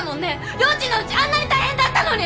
りょーちんのうちあんなに大変だったのに！